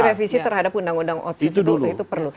revisi terhadap undang undang otsus itu perlu